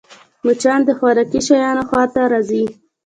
مچان د خوراکي شيانو خوا ته راځي